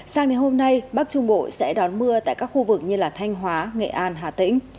sang đến hôm nay bắc trung bộ sẽ đón mưa tại các khu vực như thanh hóa nghệ an hà tĩnh